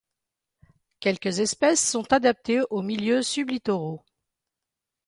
Quelques espèces sont adaptées aux milieux sub-littoraux.